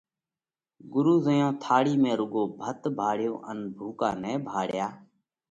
ڳرُو زئيون ٿاۯِي ۾ رُوڳو ڀت ڀاۯيو ان ڀُوڪا نئہ ڀاۯيا